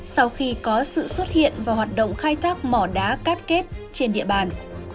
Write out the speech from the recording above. sau khi có sự xuất hiện và hoạt động khai thác mỏ đá cát kết trên địa bàn